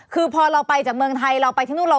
คือพอเราไปจากเมืองไทยเราไปที่นู่นเรา